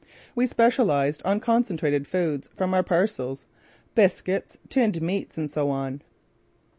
We specialised on concentrated foods from our parcels biscuits, tinned meats, and so on.